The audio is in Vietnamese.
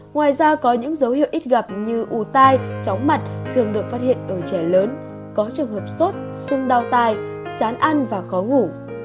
ngoài ra có những dấu hiệu ít gặp như u tai chóng mặt thường được phát hiện ở trẻ lớn có trường hợp sốt sưng đau tai chán ăn và khó ngủ